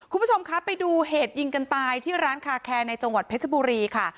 คุณผู้ชมคะไปดูเหตุยิงกันตายที่ร้านคาแคร์ในจังหวัดเพชรบุรีค่ะ